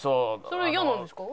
それ嫌なんですか？